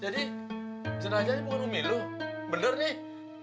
jadi jenazahnya bukan umi lo bener nih